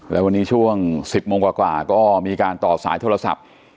แล้ววันนี้ช่วง๑๐โมงกว่าก็มีการต่อสายโทรศัพท์